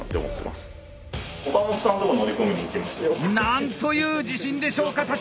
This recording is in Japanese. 何という自信でしょうか橘。